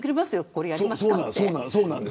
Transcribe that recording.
これやりますかって。